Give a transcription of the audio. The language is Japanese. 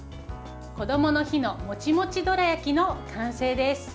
こどもの日のもちもちどら焼きの完成です。